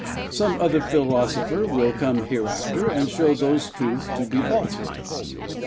Some other philosopher will come hereafter, and show those truths to be falsehoods.